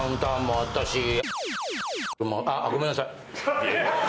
あごめんなさい。